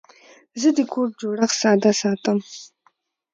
زه د کوډ جوړښت ساده ساتم.